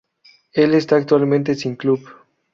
Él está actualmente sin club.